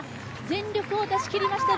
全力を出し切りました